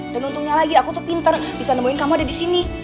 dan untungnya lagi aku tuh pinter bisa nemuin kamu ada disini